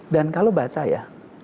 dan kalau baca ya